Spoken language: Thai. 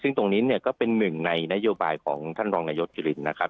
ซึ่งตรงนี้เนี่ยก็เป็นหนึ่งในนโยบายของท่านรองนายกจุลินนะครับ